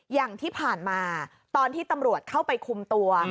อย่างที่ผ่านมาตอนที่ตำรวจเข้าไปคุมตัว